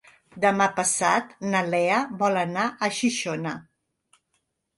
Demà passat na Lea vol anar a Xixona.